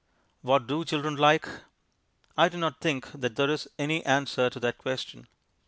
What do children like? I do not think that there is any answer to that question.